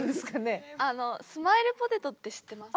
あのスマイルポテトって知ってます？